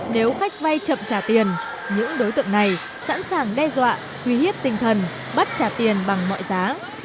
nếu khách vay chậm trả tiền những đối tượng này sẵn sàng đe dọa uy hiếp tinh thần bắt trả tiền bằng mọi giá